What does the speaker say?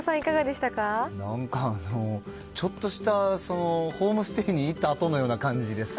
なんか、ちょっとしたホームステイに行ったあとのような感じです。